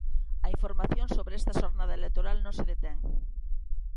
A información sobre esta xornada electoral non se detén.